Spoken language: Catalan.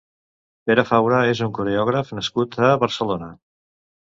Pere Faura és un coreògraf nascut a Barcelona.